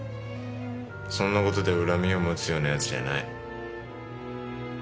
そんな事で恨みを持つような奴じゃない。